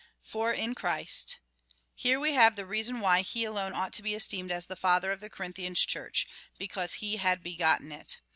For in Christ. Here we have the reason why he alone ought to be esteemed as the father of the Corinthian Church — ^because he had begotten it.